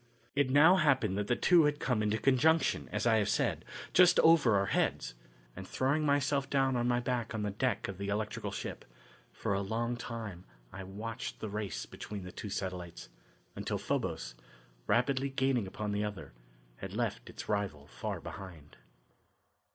It now happened that the two had come into conjunction, as I have said, just over our heads, and, throwing myself down on my back on the deck of the electrical ship, for a long time I watched the race between the two satellites, until Phobos, rapidly gaining upon the other, had left its rival far behind.